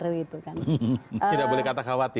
tidak boleh kata khawatir